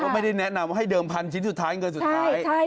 ไม่ได้แนะนำว่าให้เดิมพันชิ้นสุดท้ายเงินสุดท้าย